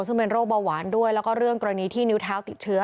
ซึ่งเป็นโรคเบาหวานด้วยแล้วก็เรื่องกรณีที่นิ้วเท้าติดเชื้อ